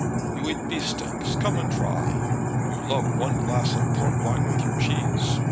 You eat beefsteaks. Come and try. You love one glass of port wine with your cheese.